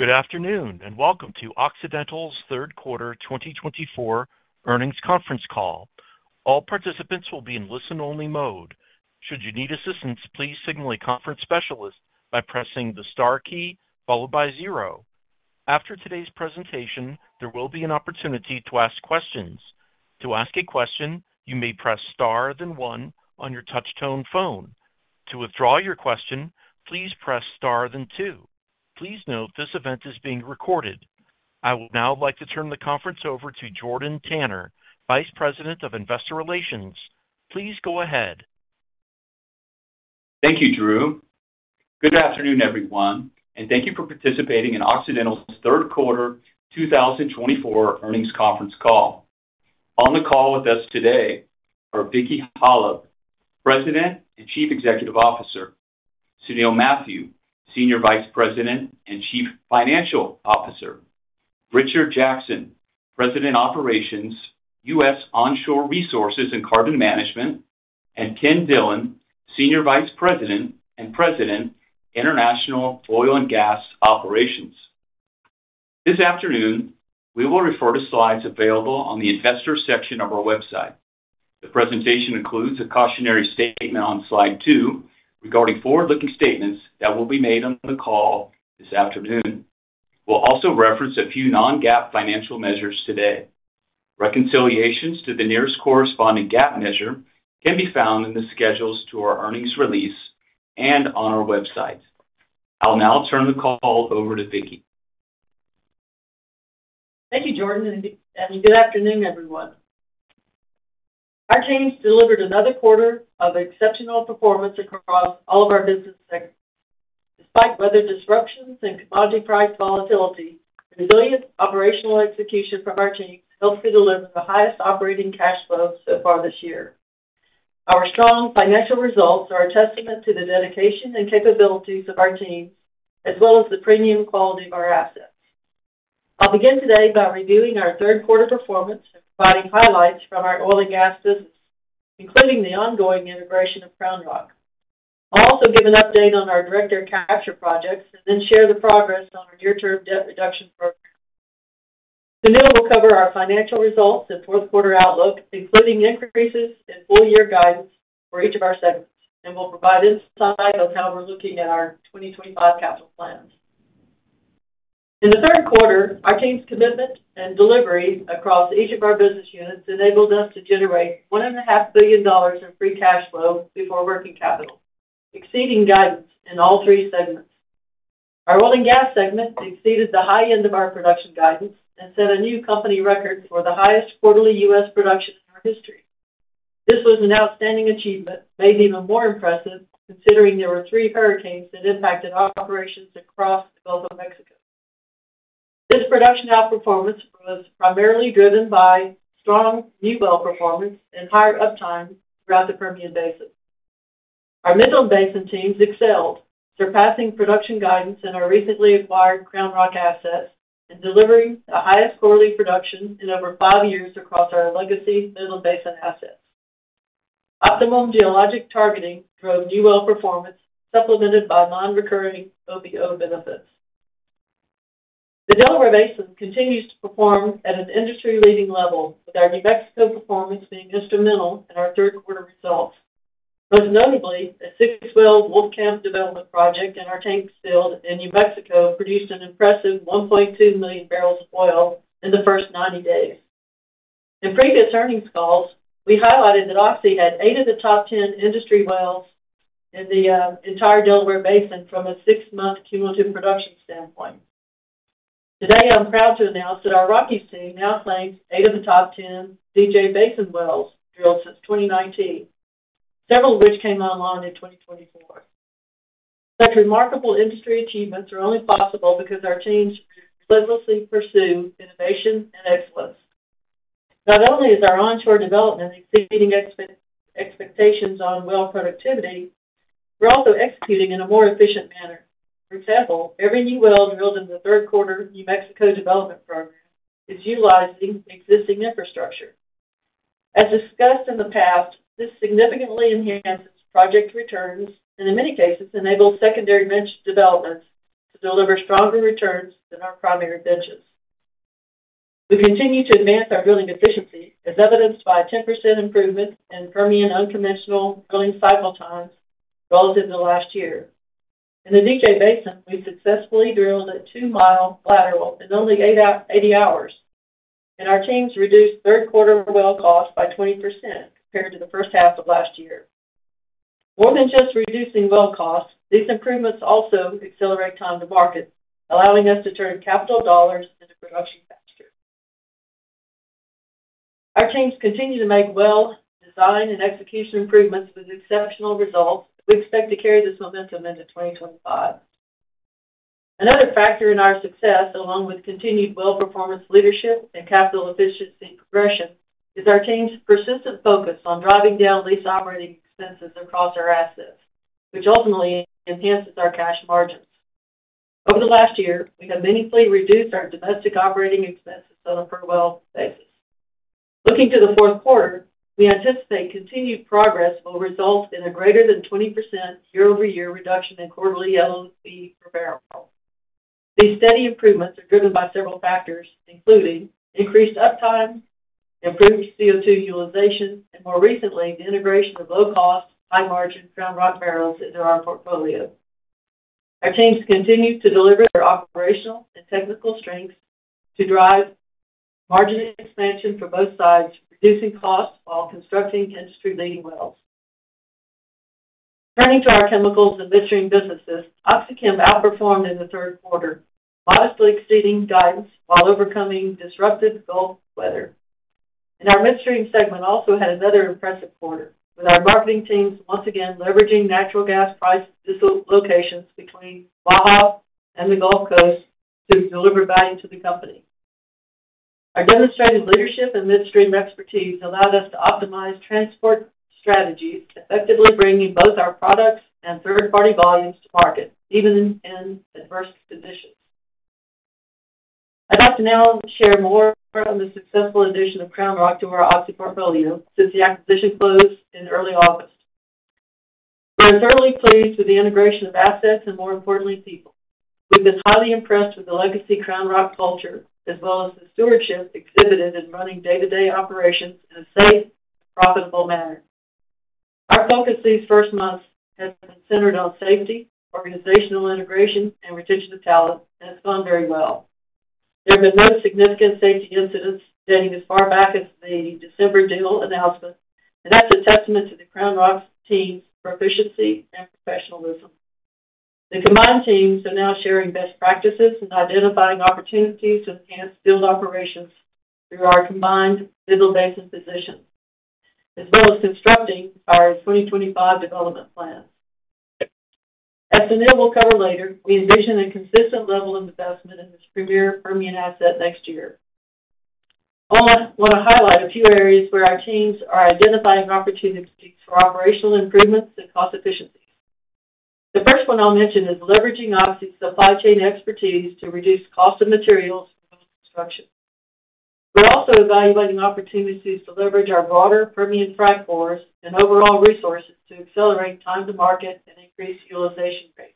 Good afternoon and welcome to Occidental's Third Quarter 2024 earnings conference call. All participants will be in listen-only mode. Should you need assistance, please signal a conference specialist by pressing the star key followed by zero. After today's presentation, there will be an opportunity to ask questions. To ask a question, you may press star then one on your touch-tone phone. To withdraw your question, please press star then two. Please note this event is being recorded. I would now like to turn the conference over to Jordan Tanner, Vice President of Investor Relations. Please go ahead. Thank you, Drew. Good afternoon, everyone, and thank you for participating in Occidental's Third Quarter 2024 earnings conference call. On the call with us today are Vicki Hollub, President and Chief Executive Officer, Sunil Mathew, Senior Vice President and Chief Financial Officer, Richard Jackson, President Operations, U.S. Onshore Resources and Carbon Management, and Ken Dillon, Senior Vice President and President International Oil and Gas Operations. This afternoon, we will refer to slides available on the Investor section of our website. The presentation includes a cautionary statement on slide two regarding forward-looking statements that will be made on the call this afternoon. We'll also reference a few non-GAAP financial measures today. Reconciliations to the nearest corresponding GAAP measure can be found in the schedules to our earnings release and on our website. I'll now turn the call over to Vicki. Thank you, Jordan, and good afternoon, everyone. Our team's delivered another quarter of exceptional performance across all of our business segments. Despite weather disruptions and commodity price volatility, the resilient operational execution from our team helps to deliver the highest operating cash flow so far this year. Our strong financial results are a testament to the dedication and capabilities of our teams, as well as the premium quality of our assets. I'll begin today by reviewing our third quarter performance and providing highlights from our oil and gas business, including the ongoing integration of CrownRock. I'll also give an update on our direct air capture projects and then share the progress on our near-term debt reduction program. Sunil will cover our financial results and fourth quarter outlook, including increases in full-year guidance for each of our segments, and will provide insight on how we're looking at our 2025 capital plans. In the third quarter, our team's commitment and delivery across each of our business units enabled us to generate $1.5 billion in free cash flow before working capital, exceeding guidance in all three segments. Our oil and gas segment exceeded the high end of our production guidance and set a new company record for the highest quarterly U.S. production in our history. This was an outstanding achievement, made even more impressive considering there were three hurricanes that impacted operations across the Gulf of Mexico. This production outperformance was primarily driven by strong new well performance and higher uptime throughout the Permian Basin. Our Midland Basin teams excelled, surpassing production guidance in our recently acquired CrownRock assets and delivering the highest quarterly production in over five years across our legacy Midland Basin assets. Optimum geologic targeting drove new well performance, supplemented by non-recurring OBO benefits. The Delaware Basin continues to perform at an industry-leading level, with our New Mexico performance being instrumental in our third quarter results. Most notably, a six-well Wolfcamp development project in our Tanks field in New Mexico produced an impressive 1.2 million barrels of oil in the first 90 days. In previous earnings calls, we highlighted that Oxy had eight of the top 10 industry wells in the entire Delaware Basin from a six-month cumulative production standpoint. Today, I'm proud to announce that our Rockies team now claims eight of the top 10 DJ Basin wells drilled since 2019, several of which came online in 2024. Such remarkable industry achievements are only possible because our teams relentlessly pursue innovation and excellence. Not only is our onshore development exceeding expectations on well productivity, we're also executing in a more efficient manner. For example, every new well drilled in the third quarter New Mexico Development Program is utilizing existing infrastructure. As discussed in the past, this significantly enhances project returns and, in many cases, enables secondary bench developments to deliver stronger returns than our primary benches. We continue to advance our drilling efficiency, as evidenced by a 10% improvement in Permian unconventional drilling cycle times relative to last year. In the DJ Basin, we've successfully drilled a two-mile lateral in only 80 hours, and our teams reduced third quarter well cost by 20% compared to the first half of last year. More than just reducing well cost, these improvements also accelerate time to market, allowing us to turn capital dollars into production faster. Our teams continue to make well design and execution improvements with exceptional results, and we expect to carry this momentum into 2025. Another factor in our success, along with continued well performance leadership and capital efficiency progression, is our team's persistent focus on driving down lease operating expenses across our assets, which ultimately enhances our cash margins. Over the last year, we have meaningfully reduced our domestic operating expenses on a per well basis. Looking to the fourth quarter, we anticipate continued progress will result in a greater than 20% year-over-year reduction in quarterly LOE per barrel. These steady improvements are driven by several factors, including increased uptime, improved CO2 utilization, and more recently, the integration of low-cost, high-margin CrownRock barrels into our portfolio. Our teams continue to deliver their operational and technical strengths to drive margin expansion for both sides, reducing costs while constructing industry-leading wells. Turning to our chemicals and midstream businesses, OxyChem outperformed in the third quarter, modestly exceeding guidance while overcoming disruptive Gulf weather. Our midstream segment also had another impressive quarter, with our marketing teams once again leveraging natural gas price dislocations between Waha and the Gulf Coast to deliver value to the company. Our demonstrated leadership and midstream expertise allowed us to optimize transport strategies, effectively bringing both our products and third-party volumes to market, even in adverse conditions. I'd like to now share more on the successful addition of CrownRock to our Oxy portfolio since the acquisition closed in early August. We're thoroughly pleased with the integration of assets and, more importantly, people. We've been highly impressed with the legacy CrownRock culture, as well as the stewardship exhibited in running day-to-day operations in a safe, profitable manner. Our focus these first months has been centered on safety, organizational integration, and retention of talent, and it's gone very well. There have been no significant safety incidents dating as far back as the December deal announcement, and that's a testament to the CrownRock's team's proficiency and professionalism. The combined teams are now sharing best practices and identifying opportunities to enhance field operations through our combined Midland Basin positions, as well as constructing our 2025 development plans. As Sunil will cover later, we envision a consistent level of investment in this premier Permian asset next year. I want to highlight a few areas where our teams are identifying opportunities for operational improvements and cost efficiencies. The first one I'll mention is leveraging Oxy's supply chain expertise to reduce cost of materials and construction. We're also evaluating opportunities to leverage our broader Permian frac cores and overall resources to accelerate time to market and increase utilization rates.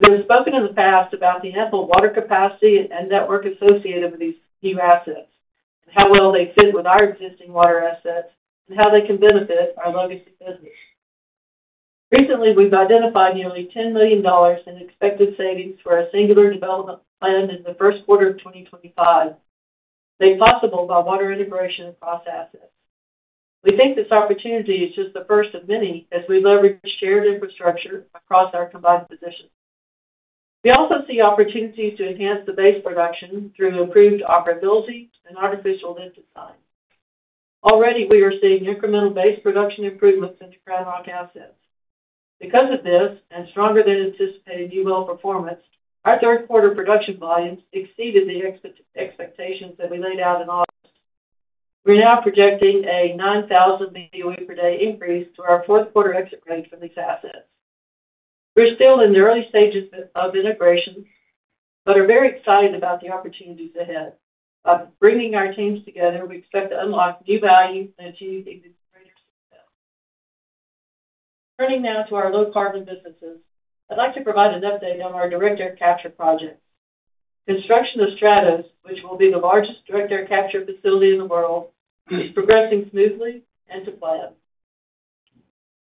We have spoken in the past about the ample water capacity and network associated with these new assets, and how well they fit with our existing water assets, and how they can benefit our legacy business. Recently, we've identified nearly $10 million in expected savings for a singular development planned in the first quarter of 2025, made possible by water integration across assets. We think this opportunity is just the first of many as we leverage shared infrastructure across our combined position. We also see opportunities to enhance the base production through improved operability and artificial lift design. Already, we are seeing incremental base production improvements into CrownRock assets. Because of this, and stronger than anticipated new well performance, our third quarter production volumes exceeded the expectations that we laid out in August. We're now projecting a 9,000 BOE per day increase to our fourth quarter exit rate for these assets. We're still in the early stages of integration, but are very excited about the opportunities ahead. By bringing our teams together, we expect to unlock new value and achieve even greater success. Turning now to our low-carbon businesses, I'd like to provide an update on our Direct Air Capture projects. Construction of Stratos, which will be the largest Direct Air Capture facility in the world, is progressing smoothly and to plan.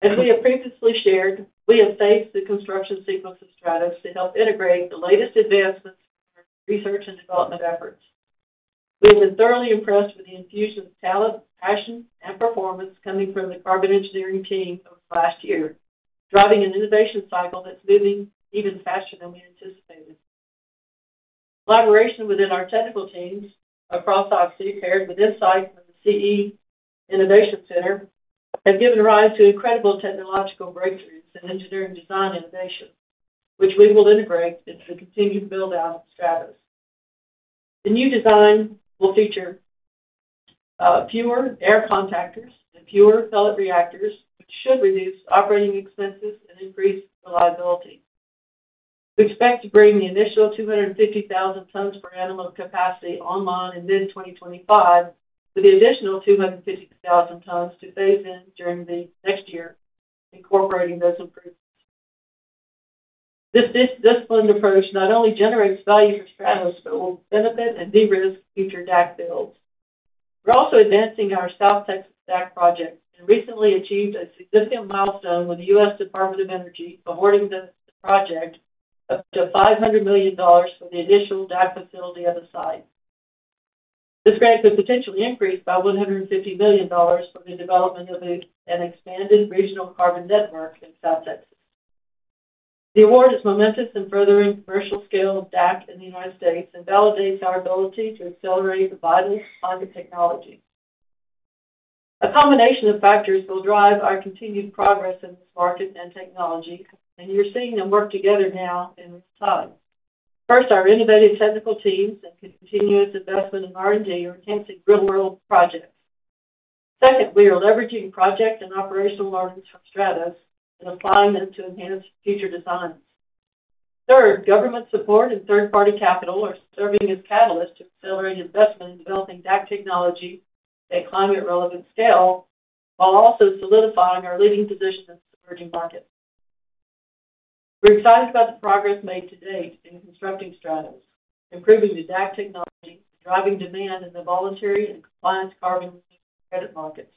As we have previously shared, we have phased the construction sequence of Stratos to help integrate the latest advancements in our research and development efforts. We have been thoroughly impressed with the infusion of talent, passion, and performance coming from the Carbon Engineering team over the last year, driving an innovation cycle that's moving even faster than we anticipated. Collaboration within our technical teams across Oxy, paired with insight from the CE Innovation Center, have given rise to incredible technological breakthroughs in engineering design innovation, which we will integrate into the continued build-out of Stratos. The new design will feature fewer air contactors and fewer pellet reactors, which should reduce operating expenses and increase reliability. We expect to bring the initial 250,000 tons per annum of capacity online in mid-2025, with the additional 250,000 tons to phase in during the next year, incorporating those improvements. This disciplined approach not only generates value for Stratos, but will benefit and de-risk future DAC builds. We're also advancing our South Texas DAC project and recently achieved a significant milestone with the U.S. Department of Energy awarding the project up to $500 million for the additional DAC facility at the site. This grant could potentially increase by $150 million for the development of an expanded regional carbon network in South Texas. The award is momentous in furthering commercial-scale DAC in the United States and validates our ability to accelerate the vital climate technology. A combination of factors will drive our continued progress in this market and technology, and you're seeing them work together now in real time. First, our innovative technical teams and continuous investment in R&D are enhancing real-world projects. Second, we are leveraging project and operational learnings from Stratos and applying them to enhance future designs. Third, government support and third-party capital are serving as catalysts to accelerate investment in developing DAC technology at climate-relevant scale, while also solidifying our leading position in emerging markets. We're excited about the progress made to date in constructing Stratos, improving the DAC technology, and driving demand in the voluntary and compliance carbon credit markets.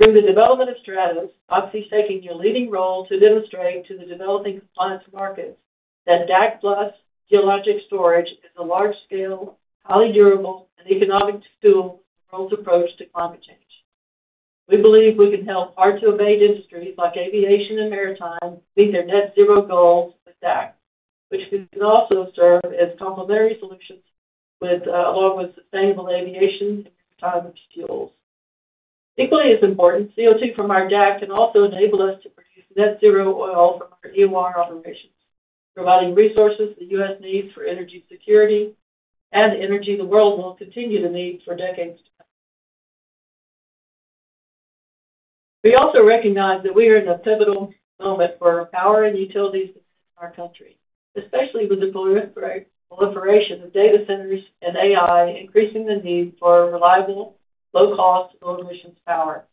Through the development of Stratos, Oxy's taking a leading role to demonstrate to the developing compliance markets that DAC plus geologic storage is a large-scale, highly durable, and economic tool for the world's approach to climate change. We believe we can help hard-to-abate industries like aviation and maritime meet their net-zero goals with DAC, which can also serve as complementary solutions along with sustainable aviation fuels. Equally as important, CO2 from our DAC can also enable us to produce net-zero oil from our EOR operations, providing resources the U.S. needs for energy security and energy the world will continue to need for decades to come. We also recognize that we are in a pivotal moment for power and utilities in our country, especially with the proliferation of data centers and AI increasing the need for reliable, low-cost, low-emissions power.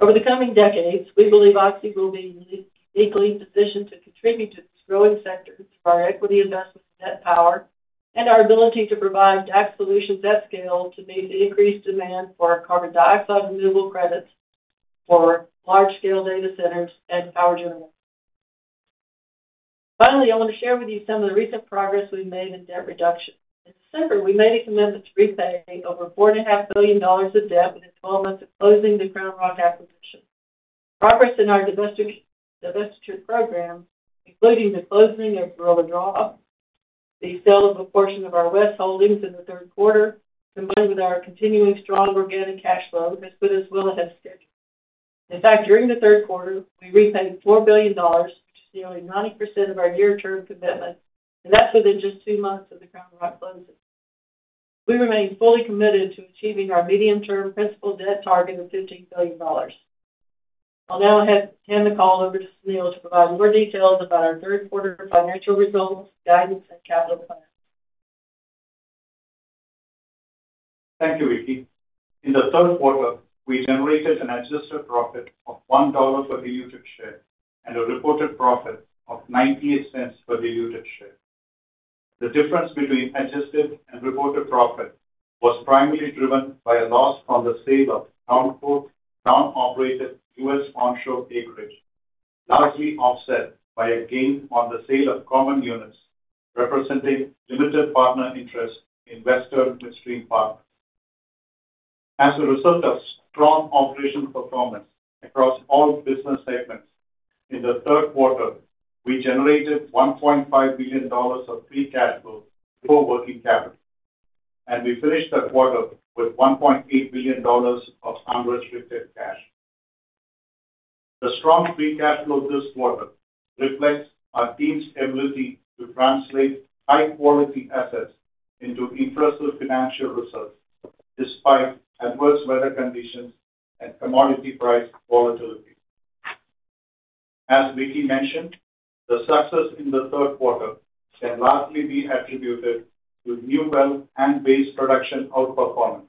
Over the coming decades, we believe Oxy will be uniquely positioned to contribute to these growing sectors through our equity investment in NET Power and our ability to provide DAC solutions at scale to meet the increased demand for carbon dioxide removal credits for large-scale data centers and power generators. Finally, I want to share with you some of the recent progress we've made in debt reduction. In December, we made a commitment to repay over $4.5 billion of debt within 12 months of closing the CrownRock acquisition. Progress in our divestiture program, including the closing of Barilla Draw, the sale of a portion of our WES holdings in the third quarter, combined with our continuing strong organic cash flow, has put us well ahead of schedule. In fact, during the third quarter, we repaid $4 billion, which is nearly 90% of our year-end commitment, and that's within just two months of the CrownRock closing. We remain fully committed to achieving our medium-term principal debt target of $15 billion. I'll now hand the call over to Sunil to provide more details about our third quarter financial results, guidance, and capital plans. Thank you, Vicki. In the third quarter, we generated an adjusted profit of $1 per diluted share and a reported profit of $0.98 per diluted share. The difference between adjusted and reported profit was primarily driven by a loss from the sale of non-operated U.S. onshore acreage, largely offset by a gain on the sale of common units representing limited partner interest in Western Midstream Partners. As a result of strong operational performance across all business segments, in the third quarter, we generated $1.5 billion of free cash flow before working capital, and we finished the quarter with $1.8 billion of unrestricted cash. The strong free cash flow this quarter reflects our team's ability to translate high-quality assets into impressive financial results despite adverse weather conditions and commodity price volatility. As Vicki mentioned, the success in the third quarter can largely be attributed to new well and base production outperformance,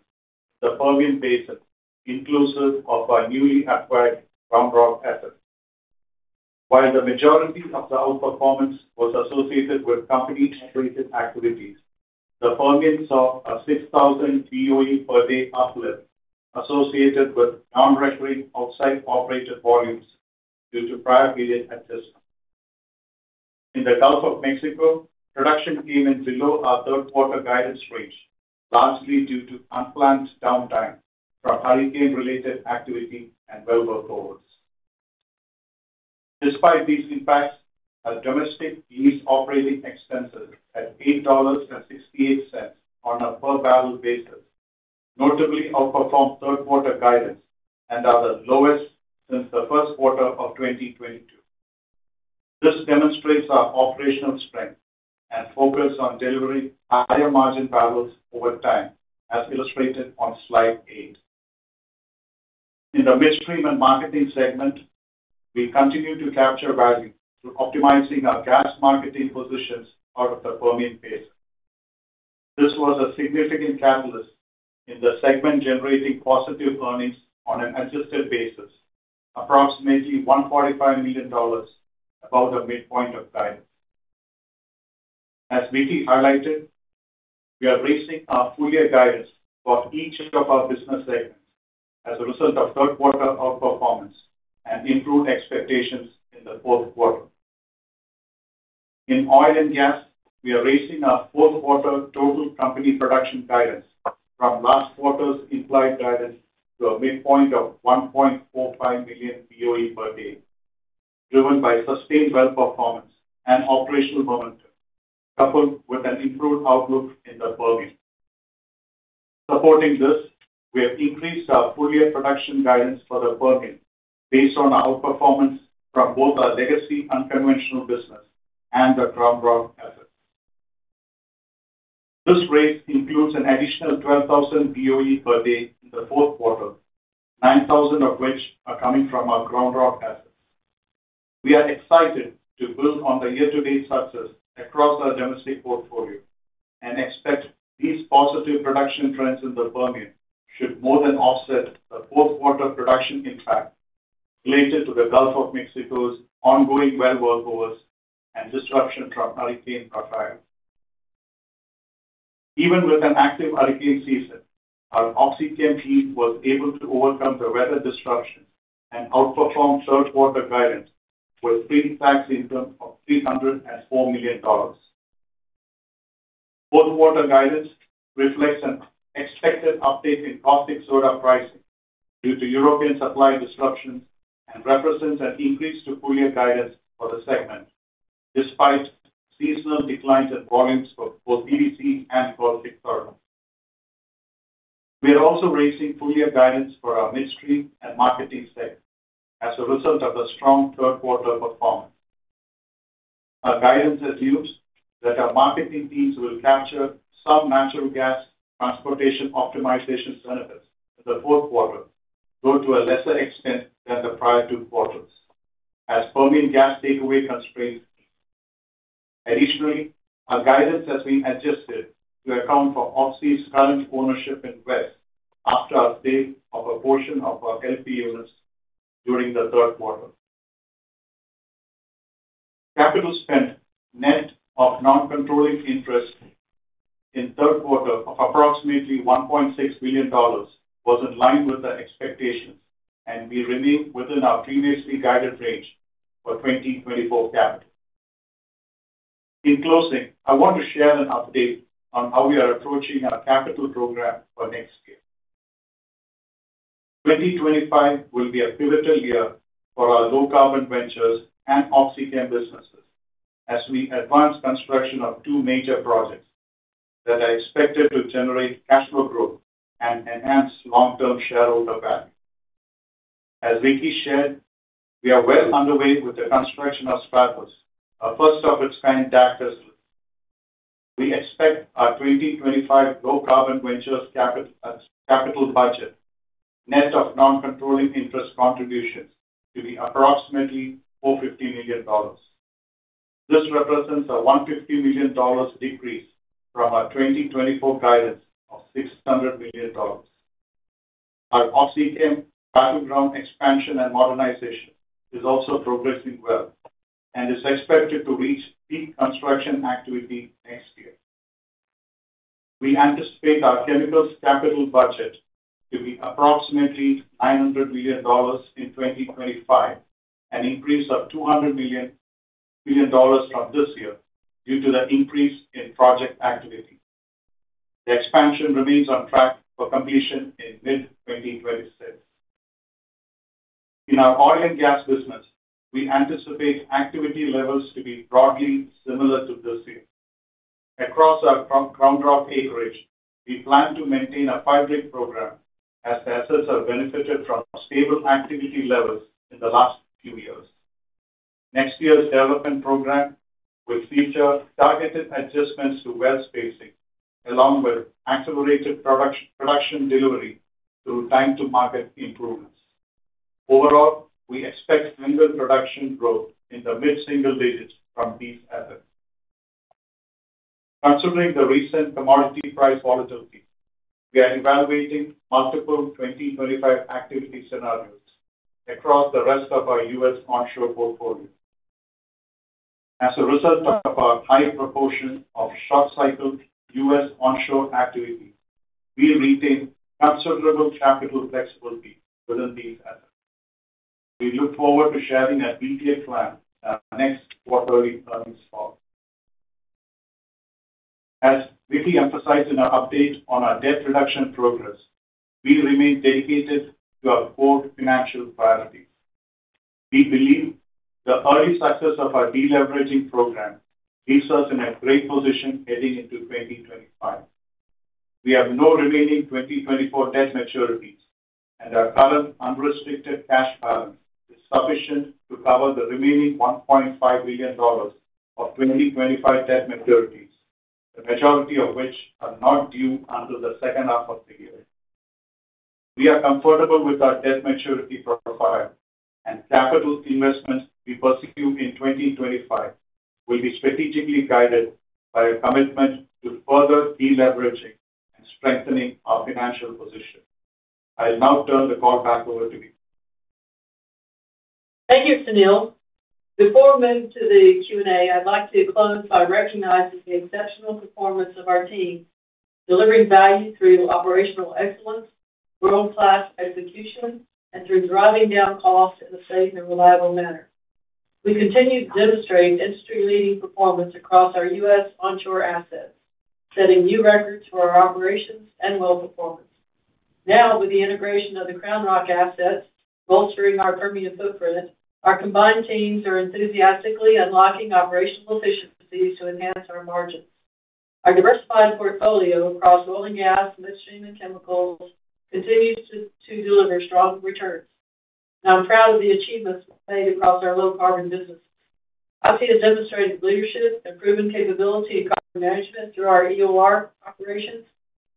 the Permian Basin, inclusive of our newly acquired CrownRock assets. While the majority of the outperformance was associated with company-operated activities, the Permian saw a 6,000 BOE per day uplift associated with non-recurring outside operated volumes due to prior period adjustments. In the Gulf of Mexico, production came in below our third quarter guidance range, largely due to unplanned downtime from hurricane-related activity and well workovers. Despite these impacts, our domestic lease operating expenses at $8.68 on a per barrel basis notably outperformed third quarter guidance and are the lowest since the first quarter of 2022. This demonstrates our operational strength and focus on delivering higher margin barrels over time, as illustrated on slide eight. In the midstream and marketing segment, we continue to capture value through optimizing our gas marketing positions out of the Permian Basin. This was a significant catalyst in the segment generating positive earnings on an adjusted basis, approximately $145 million above the midpoint of guidance. As Vicki highlighted, we are raising our full year guidance for each of our business segments as a result of third quarter outperformance and improved expectations in the fourth quarter. In oil and gas, we are raising our fourth quarter total company production guidance from last quarter's implied guidance to a midpoint of 1.45 million BOE per day, driven by sustained well performance and operational momentum, coupled with an improved outlook in the Permian. Supporting this, we have increased our full year production guidance for the Permian based on our outperformance from both our legacy unconventional business and the CrownRock assets. This raise includes an additional 12,000 BOE per day in the fourth quarter, 9,000 of which are coming from our CrownRock assets. We are excited to build on the year-to-date success across our domestic portfolio and expect these positive production trends in the Permian should more than offset the fourth quarter production impact related to the Gulf of Mexico's ongoing well workovers and disruption from Hurricane Rafael. Even with an active hurricane season, our OxyChem team was able to overcome the weather disruptions and outperform third quarter guidance with pre-tax income of $304 million. Fourth quarter guidance reflects an expected update in caustic soda pricing due to European supply disruptions and represents an increase to full year guidance for the segment despite seasonal declines in volumes for both PVC and caustic soda. We are also raising full year guidance for our midstream and marketing segment as a result of the strong third quarter performance. Our guidance has used that our marketing teams will capture some natural gas transportation optimization benefits in the fourth quarter, though to a lesser extent than the prior two quarters, as Permian gas takeaway constraints. Additionally, our guidance has been adjusted to account for Oxy's current ownership in WES after our sale of a portion of our LP units during the third quarter. Capital spent net of non-controlling interest in third quarter of approximately $1.6 billion was in line with the expectations, and we remain within our previously guided range for 2024 capital. In closing, I want to share an update on how we are approaching our capital program for next year. 2025 will be a pivotal year for our Low Carbon Ventures and OxyChem businesses as we advance construction of two major projects that are expected to generate cash flow growth and enhance long-term shareholder value. As Vicki shared, we are well underway with the construction of Stratos, a first-of-its-kind DAC facility. We expect our 2025 Low Carbon Ventures capital budget net of non-controlling interest contributions to be approximately $450 million. This represents a $150 million decrease from our 2024 guidance of $600 million. Our OxyChem Battleground expansion and modernization is also progressing well and is expected to reach peak construction activity next year. We anticipate our chemicals capital budget to be approximately $900 million in 2025, an increase of $200 million from this year due to the increase in project activity. The expansion remains on track for completion in mid-2026. In our oil and gas business, we anticipate activity levels to be broadly similar to this year. Across our CrownRock acreage, we plan to maintain a five-year program as the assets have benefited from stable activity levels in the last few years. Next year's development program will feature targeted adjustments to well spacing, along with accelerated production delivery through time-to-market improvements. Overall, we expect single-digit production growth in the mid-single digits from these assets. Considering the recent commodity price volatility, we are evaluating multiple 2025 activity scenarios across the rest of our U.S. onshore portfolio. As a result of our high proportion of short-cycle U.S. onshore activity, we retain considerable capital flexibility within these assets. We look forward to sharing a detailed plan next quarterly earnings call. As Vicki emphasized in our update on our debt reduction progress, we remain dedicated to our core financial priorities. We believe the early success of our deleveraging program leaves us in a great position heading into 2025. We have no remaining 2024 debt maturities, and our current unrestricted cash balance is sufficient to cover the remaining $1.5 billion of 2025 debt maturities, the majority of which are not due until the second half of the year. We are comfortable with our debt maturity profile, and capital investments we pursue in 2025 will be strategically guided by a commitment to further deleveraging and strengthening our financial position. I'll now turn the call back over to Vicki. Thank you, Sunil. Before we move to the Q&A, I'd like to close by recognizing the exceptional performance of our team, delivering value through operational excellence, world-class execution, and through driving down costs in a safe and reliable manner. We continue to demonstrate industry-leading performance across our U.S. onshore assets, setting new records for our operations and well performance. Now, with the integration of the CrownRock assets, bolstering our Permian footprint, our combined teams are enthusiastically unlocking operational efficiencies to enhance our margins. Our diversified portfolio across oil and gas, midstream, and chemicals continues to deliver strong returns. Now, I'm proud of the achievements made across our low-carbon businesses. Oxy has demonstrated leadership, improving capability and carbon management through our EOR operations,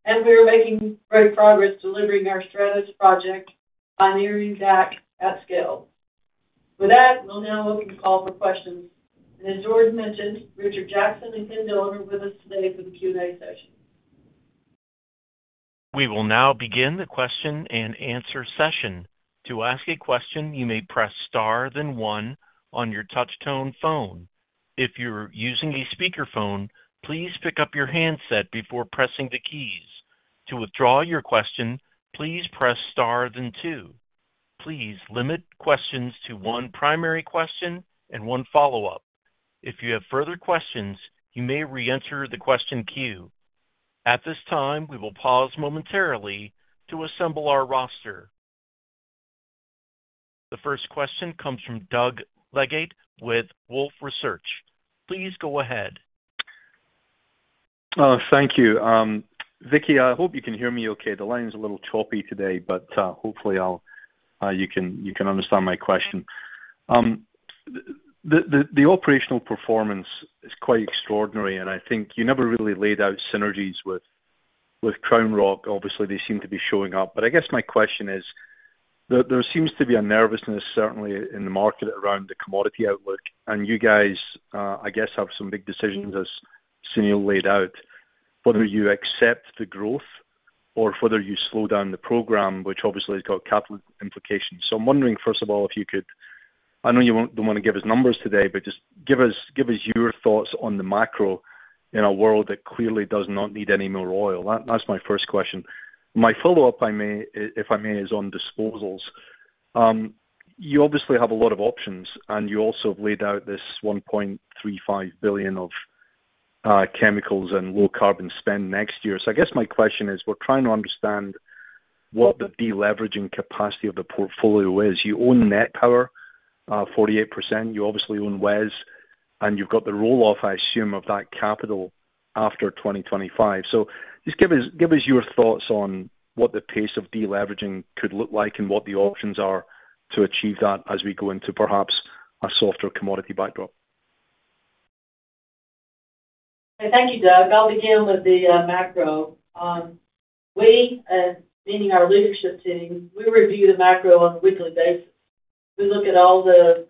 and we are making great progress delivering our Stratos project, pioneering DAC at scale. With that, we'll now open the call for questions. And as Jordan mentioned, Richard Jackson and Ken Dillon are with us today for the Q&A session. We will now begin the question and answer session. To ask a question, you may press star then one on your touch-tone phone. If you're using a speakerphone, please pick up your handset before pressing the keys. To withdraw your question, please press star then two. Please limit questions to one primary question and one follow-up. If you have further questions, you may re-enter the question queue. At this time, we will pause momentarily to assemble our roster. The first question comes from Doug Leggate with Wolfe Research. Please go ahead. Thank you. Vicki, I hope you can hear me okay. The line is a little choppy today, but hopefully you can understand my question. The operational performance is quite extraordinary, and I think you never really laid out synergies with CrownRock. Obviously, they seem to be showing up. But I guess my question is, there seems to be a nervousness, certainly in the market around the commodity outlook, and you guys, I guess, have some big decisions, as Sunil laid out, whether you accept the growth or whether you slow down the program, which obviously has got capital implications. So I'm wondering, first of all, if you could, I know you don't want to give us numbers today, but just give us your thoughts on the macro in a world that clearly does not need any more oil. That's my first question. My follow-up, if I may, is on disposals. You obviously have a lot of options, and you also have laid out this $1.35 billion of chemicals and low-carbon spend next year. So I guess my question is, we're trying to understand what the deleveraging capacity of the portfolio is. You own NET Power, 48%. You obviously own WES, and you've got the roll-off, I assume, of that capital after 2025. So just give us your thoughts on what the pace of deleveraging could look like and what the options are to achieve that as we go into perhaps a softer commodity backdrop. Thank you, Doug. I'll begin with the macro. We, meaning our leadership team, we review the macro on a weekly basis. We look at all the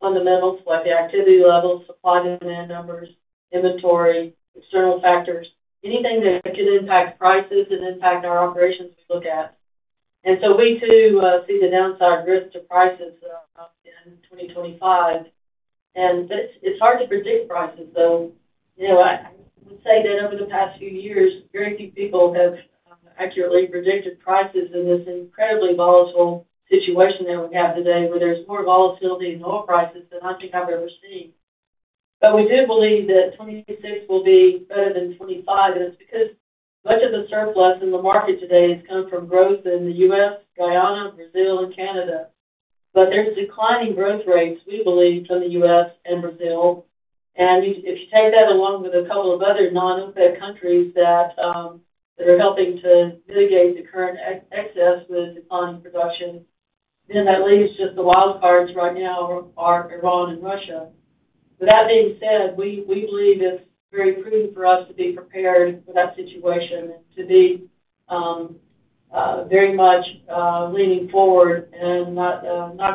fundamentals, like the activity levels, supply-demand numbers, inventory, external factors, anything that could impact prices and impact our operations, we look at. And so we too see the downside risk to prices in 2025. And it's hard to predict prices, though. I would say that over the past few years, very few people have accurately predicted prices in this incredibly volatile situation that we have today, where there's more volatility in oil prices than I think I've ever seen. But we do believe that 2026 will be better than 2025, and it's because much of the surplus in the market today has come from growth in the U.S., Guyana, Brazil, and Canada. But there's declining growth rates, we believe, from the U.S. and Brazil. If you take that along with a couple of other non-OPEC countries that are helping to mitigate the current excess with declining production, then that leaves just the wild cards right now, Iran and Russia. With that being said, we believe it's very prudent for us to be prepared for that situation and to be very much leaning forward and not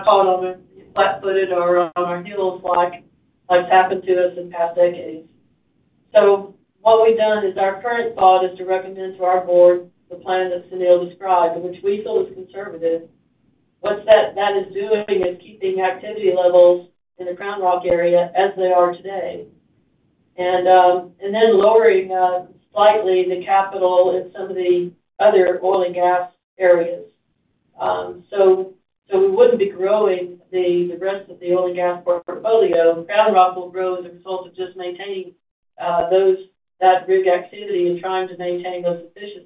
caught on a flat-footed or on our heels like it's happened to us in past decades. What we've done is our current thought is to recommend to our board the plan that Sunil described, which we feel is conservative. What that is doing is keeping activity levels in the CrownRock area as they are today, and then lowering slightly the capital in some of the other oil and gas areas. We wouldn't be growing the rest of the oil and gas portfolio. CrownRock will grow as a result of just maintaining that rig activity and trying to maintain those efficiencies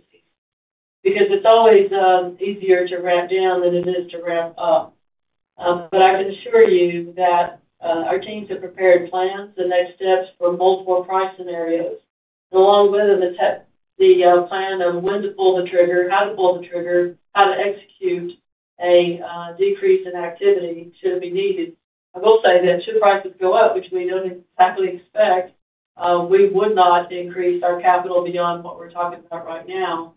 because it's always easier to ramp down than it is to ramp up. But I can assure you that our teams have prepared plans, the next steps for multiple price scenarios, and along with them the plan of when to pull the trigger, how to pull the trigger, how to execute a decrease in activity should it be needed. I will say that should prices go up, which we don't exactly expect, we would not increase our capital beyond what we're talking about right now.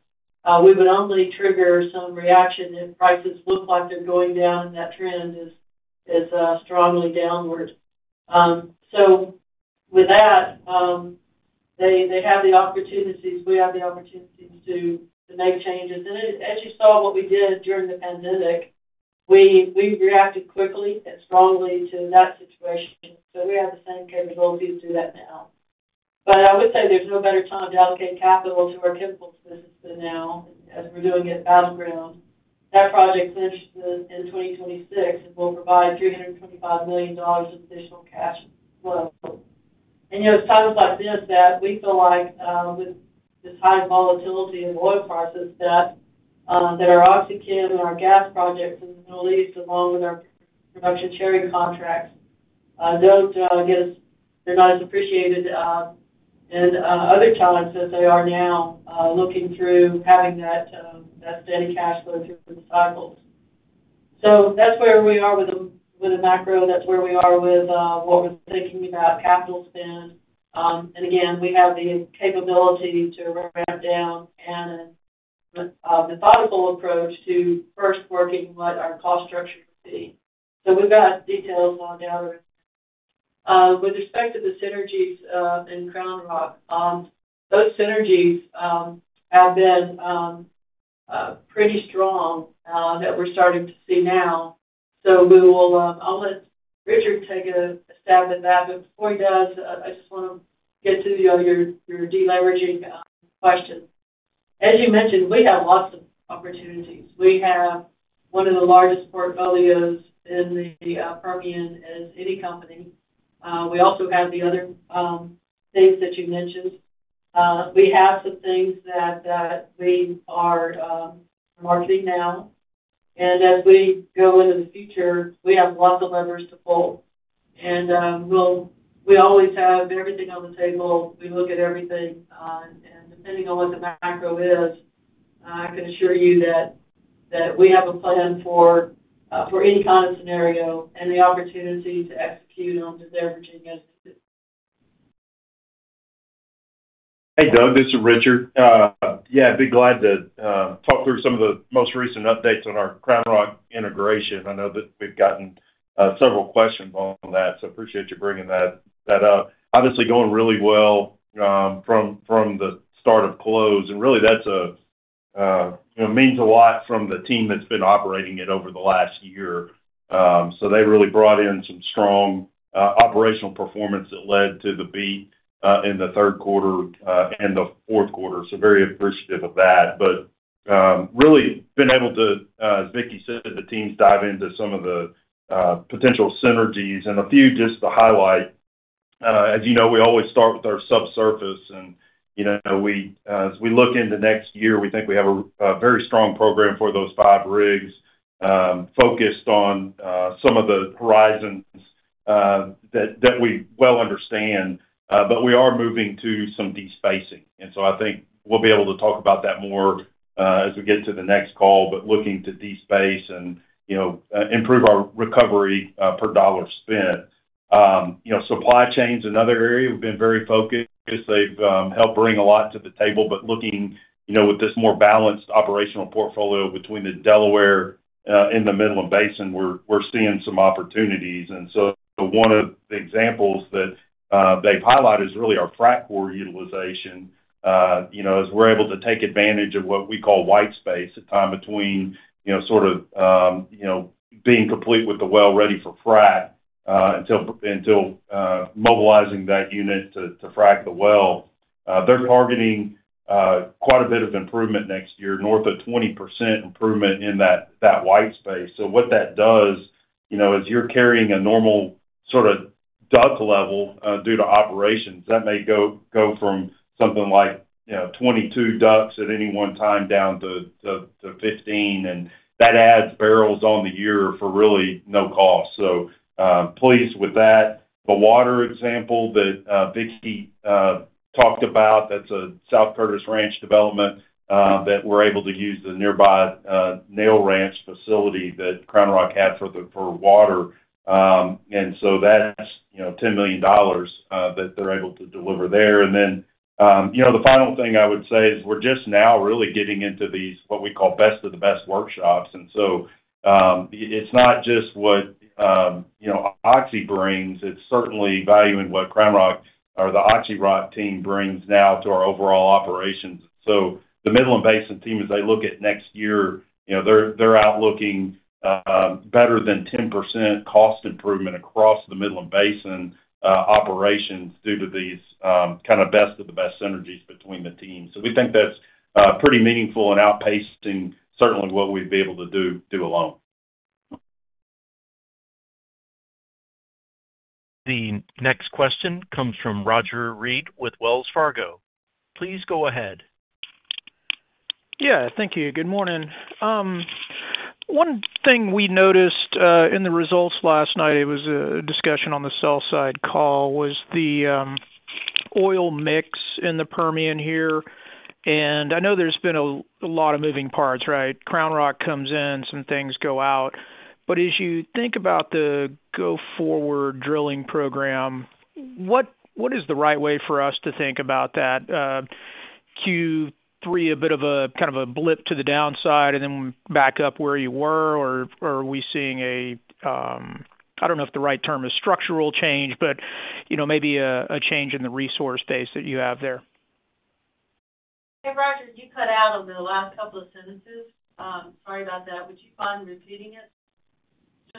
We would only trigger some reaction if prices look like they're going down and that trend is strongly downward. So with that, they have the opportunities. We have the opportunities to make changes. As you saw what we did during the pandemic, we reacted quickly and strongly to that situation, so we have the same capability to do that now. I would say there's no better time to allocate capital to our chemicals business than now, as we're doing it at Battleground. That project finished in 2026 and will provide $325 million of additional cash flow. It's times like this that we feel like with this high volatility in oil prices, that our OxyChem and our gas projects in the Middle East, along with our production sharing contracts, don't get as—they're not as appreciated as other times as they are now, looking through having that steady cash flow through the cycles. That's where we are with the macro. That's where we are with what we're thinking about capital spend. Again, we have the capability to ramp down and a methodical approach to first working what our cost structure would be. We've got details lined out. With respect to the synergies in CrownRock, those synergies have been pretty strong that we're starting to see now. I'll let Richard take a stab at that. Before he does, I just want to get to your deleveraging question. As you mentioned, we have lots of opportunities. We have one of the largest portfolios in the Permian as any company. We also have the other things that you mentioned. We have some things that we are marketing now. As we go into the future, we have lots of levers to pull. We always have everything on the table. We look at everything. And depending on what the macro is, I can assure you that we have a plan for any kind of scenario and the opportunity to execute on deleveraging as needed. Hey, Doug. This is Richard. Yeah, I'd be glad to talk through some of the most recent updates on our CrownRock integration. I know that we've gotten several questions on that, so I appreciate you bringing that up. Obviously, going really well from the start of close. And really, that means a lot from the team that's been operating it over the last year. So they really brought in some strong operational performance that led to the beat in the third quarter and the fourth quarter. So very appreciative of that. But really, been able to, as Vicki said, the teams dive into some of the potential synergies. And a few just to highlight, as you know, we always start with our subsurface. And as we look into next year, we think we have a very strong program for those five rigs focused on some of the horizons that we well understand. But we are moving to some despacing. And so I think we'll be able to talk about that more as we get to the next call, but looking to despace and improve our recovery per dollar spent. Supply chain's another area we've been very focused. They've helped bring a lot to the table. But looking with this more balanced operational portfolio between the Delaware and the Midland Basin, we're seeing some opportunities. And so one of the examples that they've highlighted is really our frac core utilization. As we're able to take advantage of what we call white space, a time between sort of being complete with the well ready for frac until mobilizing that unit to frac the well. They're targeting quite a bit of improvement next year, north of 20% improvement in that white space. What that does is you're carrying a normal sort of DUC level due to operations. That may go from something like 22 DUCs at any one time down to 15, and that adds barrels on the year for really no cost. Pleased with that. The water example that Vicki talked about, that's a South Curtis Ranch development that we're able to use the nearby Nail Ranch facility that CrownRock had for water. That's $10 million that they're able to deliver there. And then the final thing I would say is we're just now really getting into these what we call best of the best workshops. And so it's not just what Oxy brings. It's certainly valuing what CrownRock or the Oxy Rock team brings now to our overall operations. So the Midland Basin team, as they look at next year, they're outlooking better than 10% cost improvement across the Midland Basin operations due to these kind of best of the best synergies between the teams. So we think that's pretty meaningful and outpacing certainly what we'd be able to do alone. The next question comes from Roger Read with Wells Fargo. Please go ahead. Yeah. Thank you. Good morning. One thing we noticed in the results last night, it was a discussion on the sell-side call, was the oil mix in the Permian here. I know there's been a lot of moving parts, right? CrownRock comes in, some things go out. But as you think about the go-forward drilling program, what is the right way for us to think about that? Q3, a bit of a kind of a blip to the downside, and then back up where you were, or are we seeing a—I don't know if the right term is structural change, but maybe a change in the resource base that you have there? Hey, Roger, you cut out over the last couple of sentences. Sorry about that. Would you mind repeating it?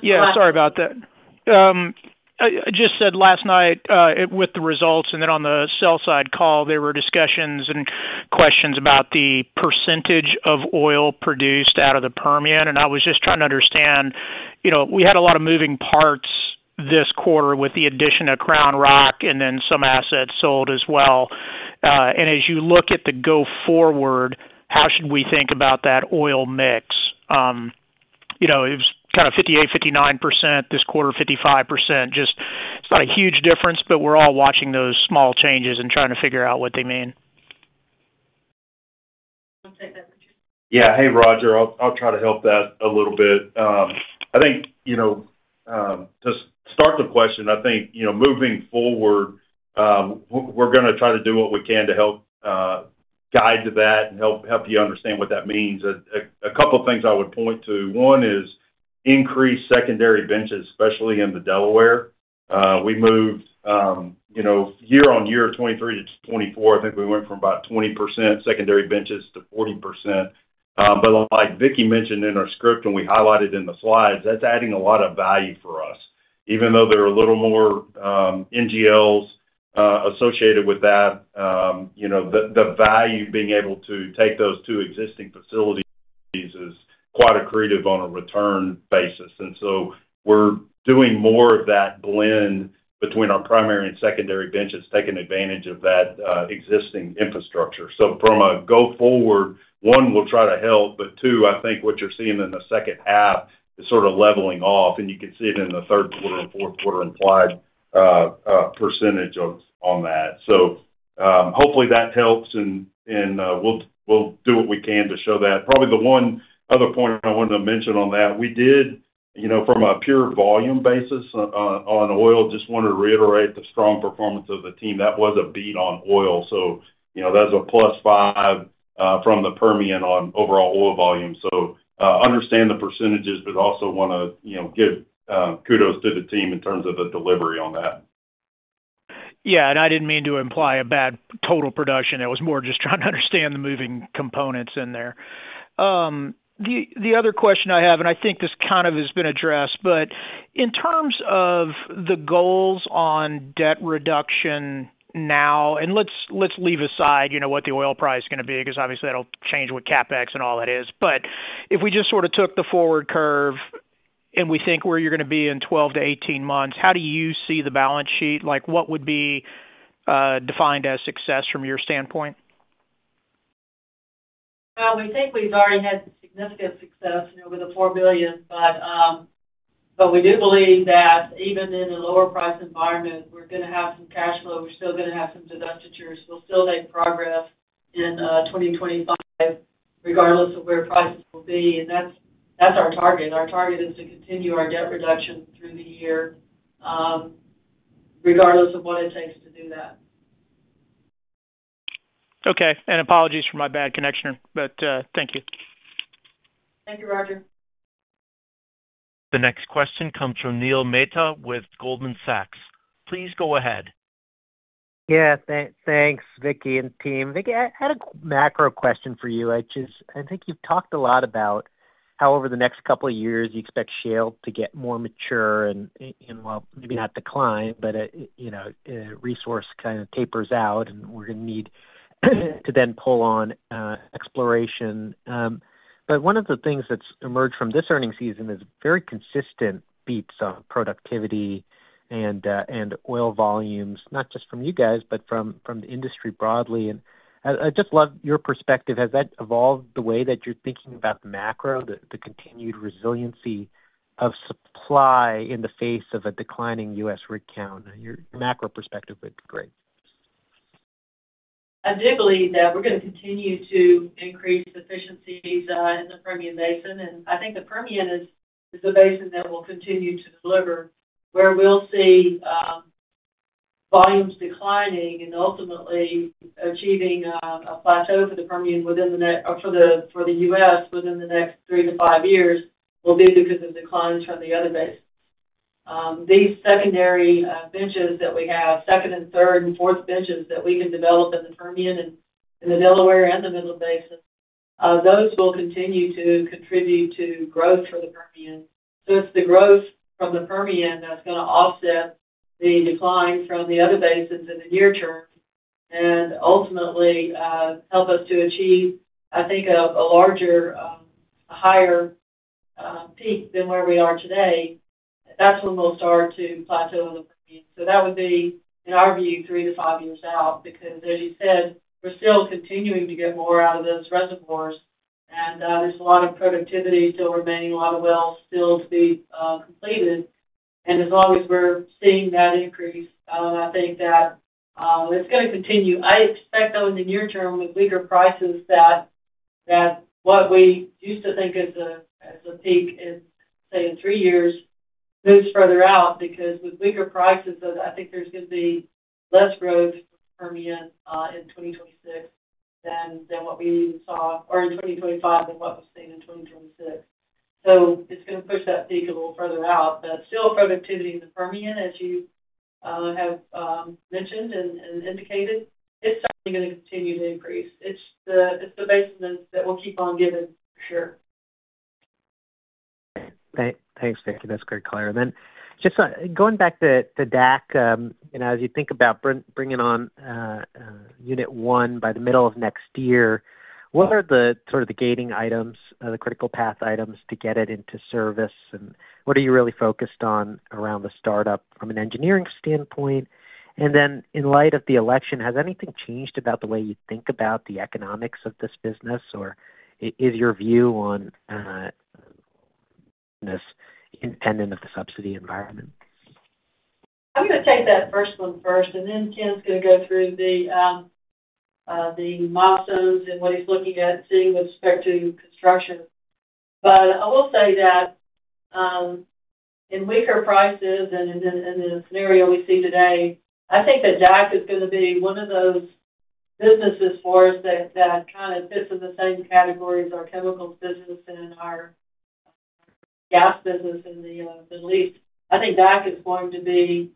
Yeah. Sorry about that. I just said last night with the results, and then on the sell-side call, there were discussions and questions about the percentage of oil produced out of the Permian. And I was just trying to understand. We had a lot of moving parts this quarter with the addition of CrownRock and then some assets sold as well. And as you look at the go-forward, how should we think about that oil mix? It was kind of 58%-59% this quarter, 55%. Just it's not a huge difference, but we're all watching those small changes and trying to figure out what they mean. Yeah. Hey, Roger. I'll try to help that a little bit. I think to start the question, I think moving forward, we're going to try to do what we can to help guide to that and help you understand what that means. A couple of things I would point to. One is increased secondary benches, especially in the Delaware. We moved year on year, 2023 to 2024, I think we went from about 20% secondary benches to 40%. But like Vicki mentioned in our script and we highlighted in the slides, that's adding a lot of value for us. Even though there are a little more NGLs associated with that, the value of being able to take those two existing facilities is quite accretive on a return basis. And so we're doing more of that blend between our primary and secondary benches, taking advantage of that existing infrastructure. So from a go-forward, one, we'll try to help. But two, I think what you're seeing in the second half is sort of leveling off, and you can see it in the third quarter and fourth quarter implied percentage on that. So hopefully that helps, and we'll do what we can to show that. Probably the one other point I wanted to mention on that. We did from a pure volume basis on oil, just wanted to reiterate the strong performance of the team. That was a beat on oil. So that's a plus five from the Permian on overall oil volume. So understand the percentages, but also want to give kudos to the team in terms of the delivery on that. Yeah. And I didn't mean to imply a bad total production. It was more just trying to understand the moving components in there. The other question I have, and I think this kind of has been addressed, but in terms of the goals on debt reduction now, and let's leave aside what the oil price is going to be because obviously that'll change with CapEx and all that is. But if we just sort of took the forward curve and we think where you're going to be in 12 to 18 months, how do you see the balance sheet? What would be defined as success from your standpoint? We think we've already had significant success with the $4 billion, but we do believe that even in a lower price environment, we're going to have some cash flow. We're still going to have some debt reduction. We'll still make progress in 2025 regardless of where prices will be, and that's our target. Our target is to continue our debt reduction through the year regardless of what it takes to do that. Okay. And apologies for my bad connection, but thank you. Thank you, Roger. The next question comes from Neil Mehta with Goldman Sachs. Please go ahead. Yeah. Thanks, Vicki and team. Vicki, I had a macro question for you. I think you've talked a lot about how over the next couple of years you expect shale to get more mature and, well, maybe not decline, but resource kind of tapers out, and we're going to need to then pull on exploration. But one of the things that's emerged from this earnings season is very consistent beats on productivity and oil volumes, not just from you guys, but from the industry broadly. And I'd just love your perspective. Has that evolved the way that you're thinking about macro, the continued resiliency of supply in the face of a declining U.S. rig count? Your macro perspective would be great. I do believe that we're going to continue to increase efficiencies in the Permian Basin. I think the Permian is the basin that will continue to deliver where we'll see volumes declining and ultimately achieving a plateau for the Permian within the next, or for the U.S. within the next three-to-five years, will be because of declines from the other basins. These secondary benches that we have, second and third and fourth benches that we can develop in the Permian and in the Delaware and the Midland Basin, those will continue to contribute to growth for the Permian. So it's the growth from the Permian that's going to offset the decline from the other basins in the near term and ultimately help us to achieve, I think, a larger, a higher peak than where we are today. That's when we'll start to plateau in the Permian. That would be, in our view, three to five years out because, as you said, we're still continuing to get more out of those reservoirs. And there's a lot of productivity still remaining, a lot of wells still to be completed. And as long as we're seeing that increase, I think that it's going to continue. I expect, though, in the near term with weaker prices that what we used to think as a peak in, say, three years moves further out because with weaker prices, I think there's going to be less growth for the Permian in 2026 than what we saw or in 2025 than what we've seen in 2026. So it's going to push that peak a little further out. But still, productivity in the Permian, as you have mentioned and indicated, it's certainly going to continue to increase. It's the basement that we'll keep on giving for sure. Thanks, Vicki. That's very clear. And then just going back to DAC, as you think about bringing on unit one by the middle of next year, what are the sort of the gating items, the critical path items to get it into service? And what are you really focused on around the startup from an engineering standpoint? And then in light of the election, has anything changed about the way you think about the economics of this business, or is your view on the business independent of the subsidy environment? I'm going to take that first one first, and then Ken's going to go through the milestones and what he's looking at and seeing with respect to construction. But I will say that in weaker prices and in the scenario we see today, I think that DAC is going to be one of those businesses for us that kind of fits in the same categories: our chemicals business and our gas business in the Middle East. I think DAC is going to be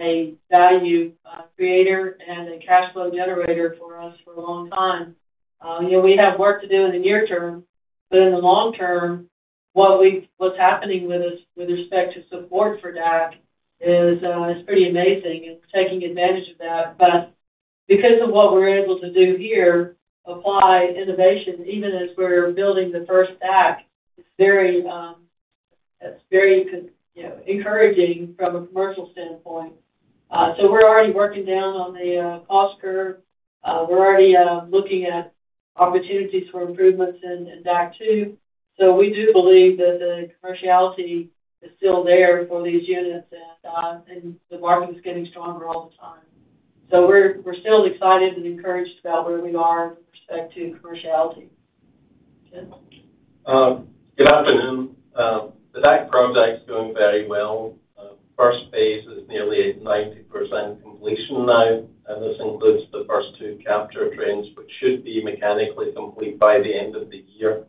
a value creator and a cash flow generator for us for a long time. We have work to do in the near term, but in the long term, what's happening with us with respect to support for DAC is pretty amazing and taking advantage of that. But because of what we're able to do here, apply innovation, even as we're building the first DAC, it's very encouraging from a commercial standpoint. So we're already working down on the cost curve. We're already looking at opportunities for improvements in DAC 2. So we do believe that the commerciality is still there for these units, and the market is getting stronger all the time. So we're still excited and encouraged about where we are with respect to commerciality. Good afternoon. The DAC project is going very well. First phase is nearly at 90% completion now. This includes the first two capture trains, which should be mechanically complete by the end of the year,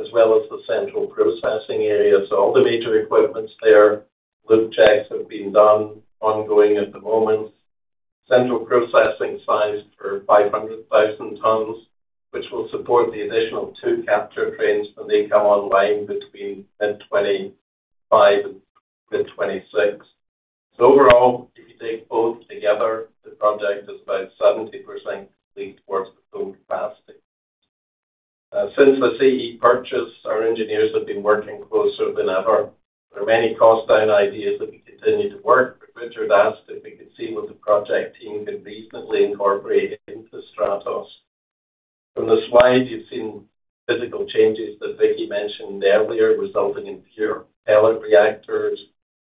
as well as the central processing area. So all the major equipment there, loop checks have been done ongoing at the moment. Central processing sized for 500,000 tons, which will support the additional two capture trains when they come online between mid-2025 and mid-2026. So overall, if you take both together, the project is about 70% complete towards the full capacity. Since the CE purchase, our engineers have been working closer than ever. There are many cost-down ideas that we continue to work, but Richard asked if we could see what the project team could reasonably incorporate into Stratos. From the slide, you've seen physical changes that Vicki mentioned earlier resulting in fewer pellet reactors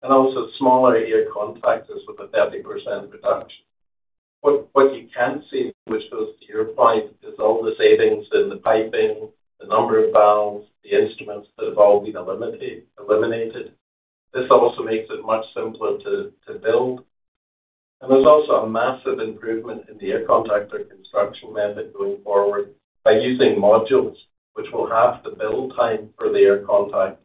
and also smaller air contactors with a 30% reduction. What you can't see which goes to your point is all the savings in the piping, the number of valves, the instruments that have all been eliminated. This also makes it much simpler to build, and there's also a massive improvement in the air contactor construction method going forward by using modules, which will halve the build time for the air contactors.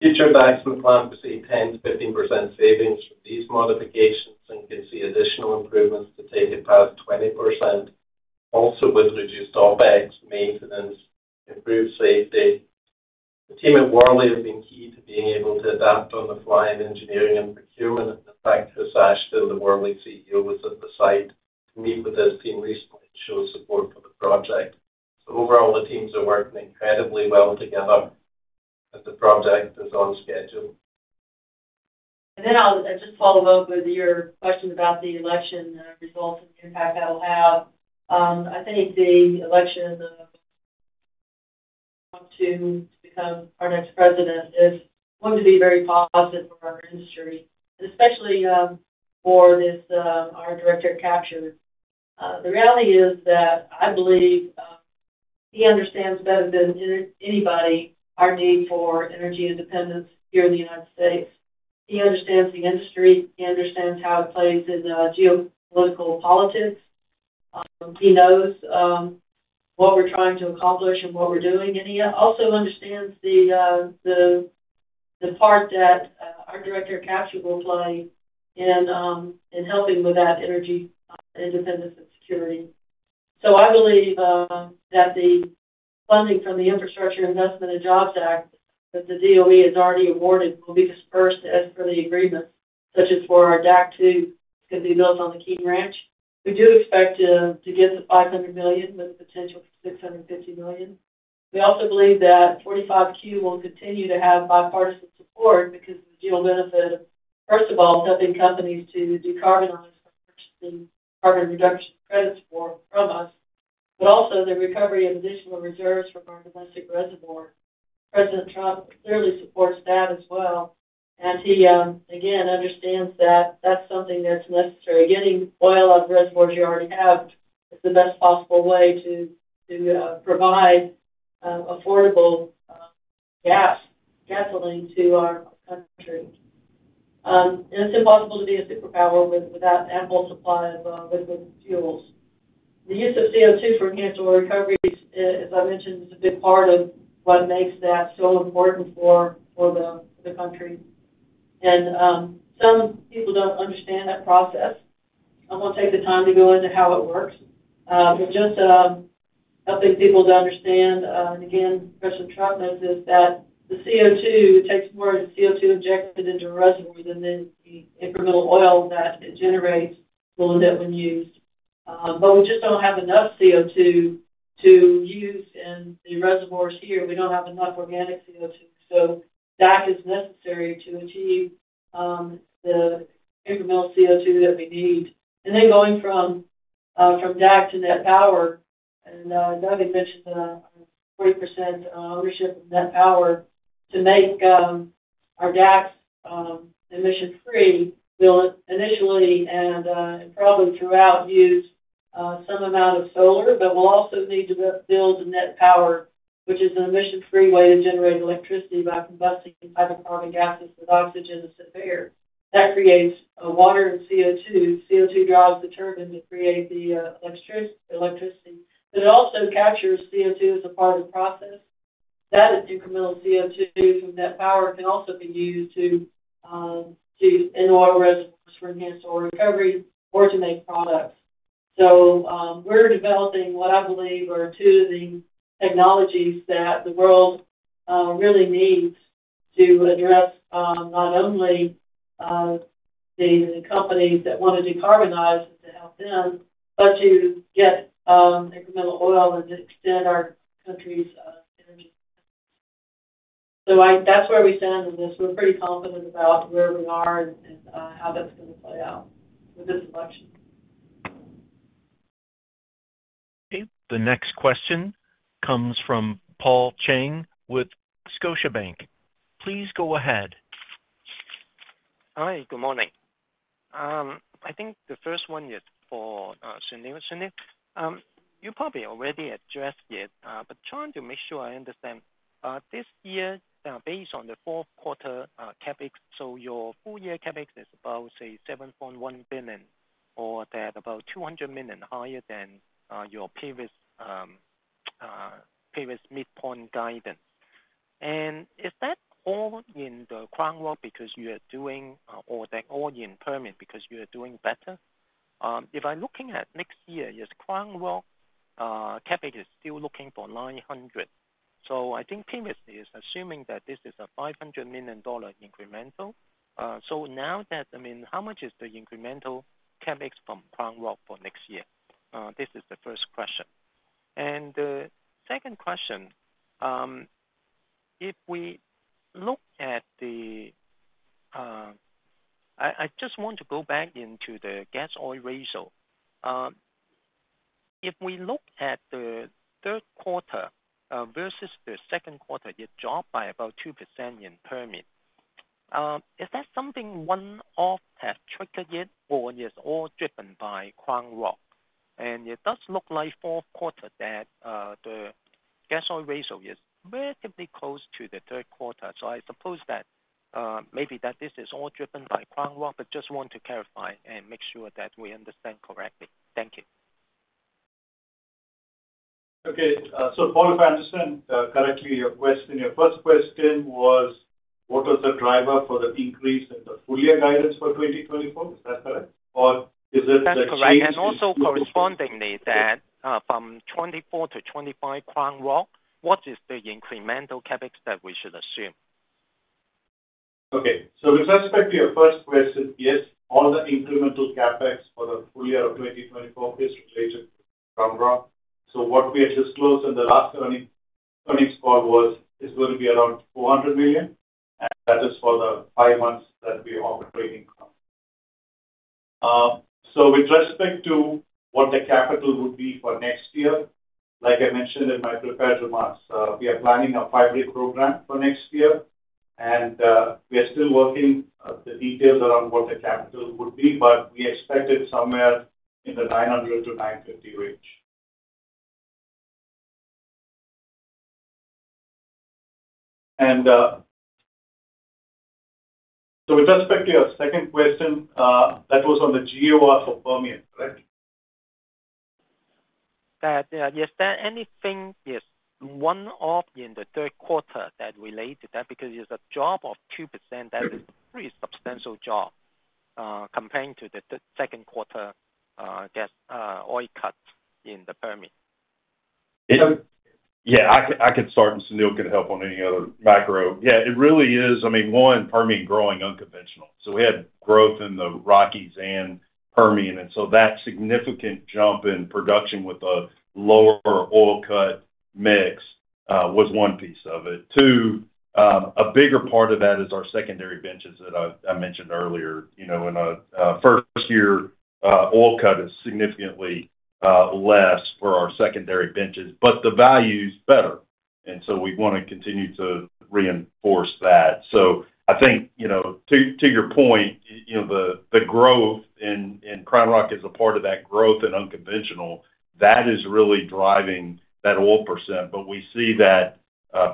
Future DACs in the plant receive 10%-15% savings from these modifications and can see additional improvements to take it past 20%, also with reduced OpEx, maintenance, improved safety. The team at Worley have been key to being able to adapt on the fly in engineering and procurement. In fact, Chris Ashton, the Worley CEO, was at the site to meet with his team recently to show support for the project. So overall, the teams are working incredibly well together as the project is on schedule. And then I'll just follow up with your question about the election results and the impact that will have. I think the election of him to become our next president is going to be very positive for our industry, and especially for our Direct Air Capture. The reality is that I believe he understands better than anybody our need for energy independence here in the United States. He understands the industry. He understands how it plays in geopolitical politics. He knows what we're trying to accomplish and what we're doing. And he also understands the part that our Direct Air Capture will play in helping with that energy independence and security. So I believe that the funding from the Infrastructure Investment and Jobs Act that the DOE has already awarded will be dispersed as per the agreement, such as for our DAC 2. It's going to be built on the King Ranch. We do expect to get the $500 million with a potential for $650 million. We also believe that 45Q will continue to have bipartisan support because of the geo-benefit of, first of all, helping companies to decarbonize by purchasing carbon reduction credits from us, but also the recovery of additional reserves from our domestic reservoir. President Trump clearly supports that as well. And he, again, understands that that's something that's necessary. Getting oil out of reservoirs you already have is the best possible way to provide affordable gasoline to our country. And it's impossible to be a superpower without ample supply of liquid fuels. The use of CO2 for enhanced recoveries, as I mentioned, is a big part of what makes that so important for the country. And some people don't understand that process. I won't take the time to go into how it works. But just helping people to understand, and again, President Trump notes is that the CO2 takes more of the CO2 injected into reservoirs than the incremental oil that it generates will end up being used. But we just don't have enough CO2 to use in the reservoirs here. We don't have enough organic CO2. So DAC is necessary to achieve the incremental CO2 that we need. And then going from DAC to NET Power, and Doug had mentioned a 40% ownership of NET Power to make our DACs emission-free. We'll initially and probably throughout use some amount of solar, but we'll also need to build a NET Power, which is an emission-free way to generate electricity by combusting hydrocarbon gases with oxygen instead of air. That creates water and CO2. CO2 drives the turbine to create the electricity. But it also captures CO2 as a part of the process. That incremental CO2 from that power can also be used in oil reservoirs for incremental recovery or to make products. So we're developing what I believe are two of the technologies that the world really needs to address not only the companies that want to decarbonize and to help them, but to get incremental oil and to extend our country's energy. So that's where we stand on this. We're pretty confident about where we are and how that's going to play out with this election. Okay. The next question comes from Paul Cheng with Scotiabank. Please go ahead. All right. Good morning. I think the first one is for Sunil. You probably already addressed it, but trying to make sure I understand. This year, based on the fourth quarter CapEx. So your full year CapEx is about, say, $7.1 billion or about $200 million higher than your previous midpoint guidance. And is that all in the CrownRock because you are doing or that all in Permian because you are doing better? If I'm looking at next year, is CrownRock CapEx still looking for $900 million. So I think previously, assuming that this is a $500 million incremental. So now that, I mean, how much is the incremental CapEx from CrownRock for next year? This is the first question. And the second question, I just want to go back into the gas oil ratio. If we look at the third quarter versus the second quarter, it dropped by about 2% in Permian. Is that something one-off that triggered it, or is it all driven by CrownRock? And it does look like fourth quarter that the gas oil ratio is relatively close to the third quarter. So I suppose that maybe this is all driven by CrownRock, but just want to clarify and make sure that we understand correctly. Thank you. Okay. So Paul, if I understand correctly, your first question was, what was the driver for the increase in the full year guidance for 2024? Is that correct? Or is it the change? That's correct. And also correspondingly, that from 2024 to 2025 CrownRock, what is the incremental CapEx that we should assume? Okay. So with respect to your first question, yes, all the incremental CapEx for the full year of 2024 is related to CrownRock. So what we had disclosed in the last earnings call was it's going to be around $400 million, and that is for the five months that we are operating from. So with respect to what the capital would be for next year, like I mentioned in my prepared remarks, we are planning a five-year program for next year, and we are still working the details around what the capital would be, but we expect it somewhere in the $900 million-$950 million range. And so with respect to your second question, that was on the GOR for Permian, correct? Yes. Anything, yes, one-off in the third quarter that relates to that because it's a drop of 2%. That is a pretty substantial drop compared to the second quarter gas oil cuts in the Permian. Yeah. I could start, and Sunil could help on any other macro. Yeah. It really is, I mean, one, Permian growing unconventional. So we had growth in the Rockies and Permian, and so that significant jump in production with a lower oil cut mix was one piece of it. Two, a bigger part of that is our secondary benches that I mentioned earlier. In a first year, oil cut is significantly less for our secondary benches, but the value is better. And so we want to continue to reinforce that. So I think, to your point, the growth in CrownRock is a part of that growth in unconventional. That is really driving that oil percent, but we see that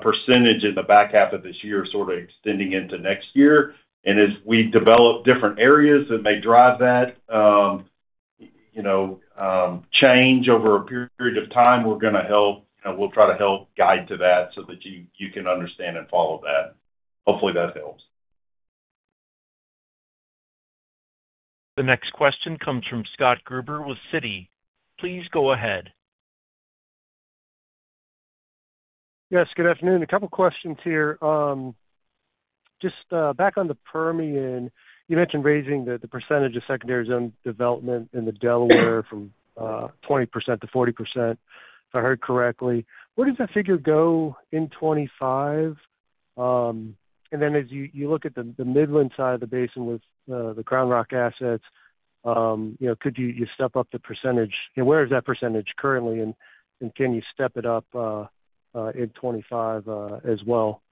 percentage in the back half of this year sort of extending into next year. And as we develop different areas that may drive that change over a period of time, we're going to help, we'll try to help guide to that so that you can understand and follow that. Hopefully, that helps. The next question comes from Scott Gruber with Citi. Please go ahead. Yes. Good afternoon. A couple of questions here. Just back on the Permian, you mentioned raising the percentage of secondary zone development in the Delaware from 20% to 40%, if I heard correctly. Where does that figure go in 2025? And then as you look at the Midland side of the basin with the CrownRock assets, could you step up the percentage? Where is that percentage currently, and can you step it up in 2025 as well?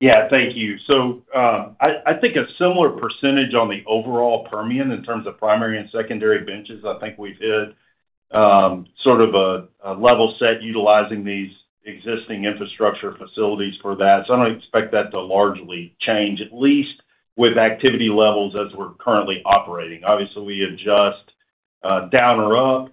Yeah. Thank you. So I think a similar percentage on the overall Permian in terms of primary and secondary benches. I think we've hit sort of a level set utilizing these existing infrastructure facilities for that. So I don't expect that to largely change, at least with activity levels as we're currently operating. Obviously, we adjust down or up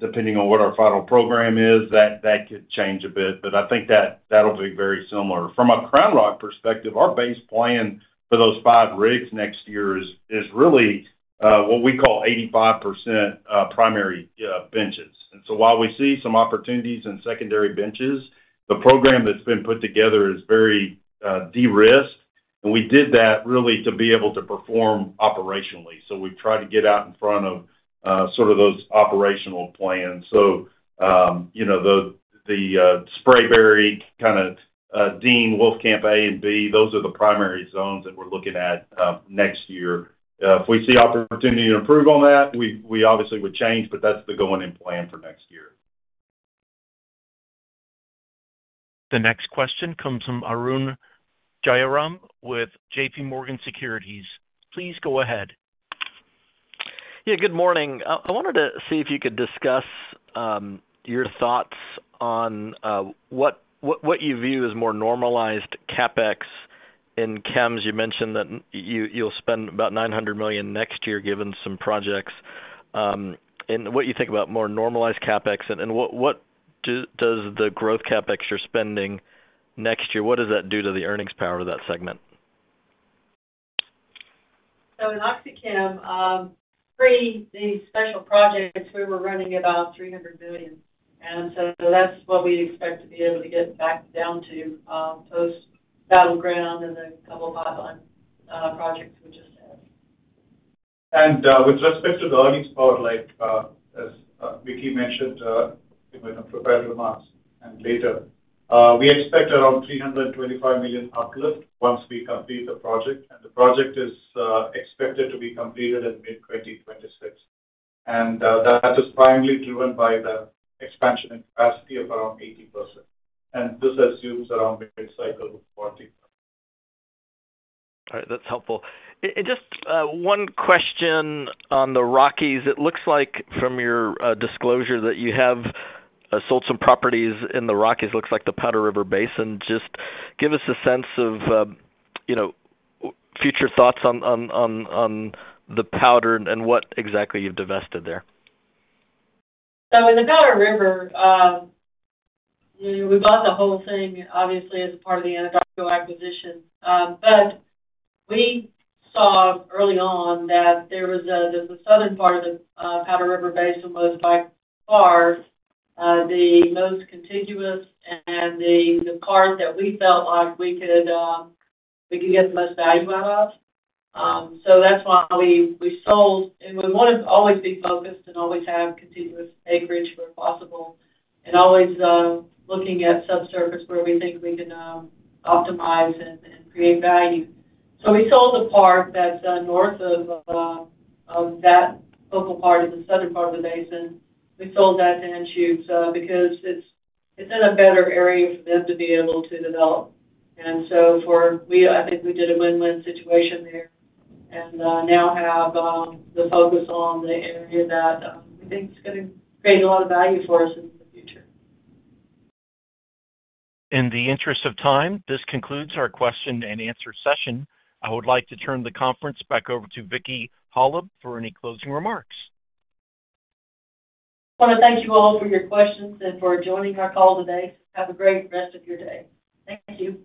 depending on what our final program is. That could change a bit, but I think that'll be very similar. From a CrownRock perspective, our base plan for those five rigs next year is really what we call 85% primary benches. And so while we see some opportunities in secondary benches, the program that's been put together is very de-risked. And we did that really to be able to perform operationally. So we've tried to get out in front of sort of those operational plans. So the Sprayberry, kind of Dean, Wolfcamp, A and B, those are the primary zones that we're looking at next year. If we see opportunity to improve on that, we obviously would change, but that's the going-in plan for next year. The next question comes from Arun Jayaram with JPMorgan Securities. Please go ahead. Yeah. Good morning. I wanted to see if you could discuss your thoughts on what you view as more normalized CapEx in Chems. You mentioned that you'll spend about $900 million next year given some projects. And what you think about more normalized CapEx, and what does the growth CapEx you're spending next year, what does that do to the earnings power of that segment? So in OxyChem, pre the special projects, we were running about $300 million. And so that's what we expect to be able to get back down to post-Battleground and a couple of pipeline projects we just had. And with respect to the earnings part, like Vicki mentioned in the prepared remarks and later, we expect around $325 million uplift once we complete the project. And the project is expected to be completed in mid-2026. And that is primarily driven by the expansion in capacity of around 80%. And this assumes around mid-cycle of 40%. All right. That's helpful. And just one question on the Rockies. It looks like from your disclosure that you have sold some properties in the Rockies. It looks like the Powder River Basin. Just give us a sense of future thoughts on the Powder and what exactly you've divested there. So in the Powder River, we bought the whole thing, obviously, as a part of the Anadarko acquisition. But we saw early on that there was the southern part of the Powder River Basin was by far the most contiguous and the part that we felt like we could get the most value out of. So that's why we sold. And we want to always be focused and always have contiguous acreage where possible and always looking at subsurface where we think we can optimize and create value. So we sold the part that's north of that focal part in the southern part of the basin. We sold that to Anschutz because it's in a better area for them to be able to develop. And so I think we did a win-win situation there and now have the focus on the area that we think is going to create a lot of value for us in the future. In the interest of time, this concludes our question and answer session. I would like to turn the conference back over to Vicki Hollub for any closing remarks. I want to thank you all for your questions and for joining our call today. Have a great rest of your day. Thank you.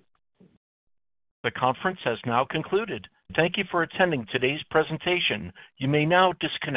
The conference has now concluded. Thank you for attending today's presentation. You may now disconnect.